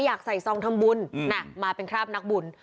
อยากใส่ซองทำบุญมาเป็นคราบนักบุญ